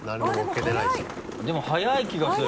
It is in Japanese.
でも速い気がする。